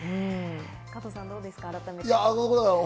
加藤さん、どうですか？